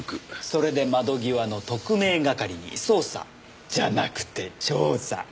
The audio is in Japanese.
それで窓際の特命係に捜査じゃなくて調査。